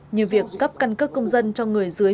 như việc cấp căn cước công dân cho người dưới